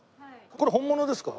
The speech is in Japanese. これ本物ですか？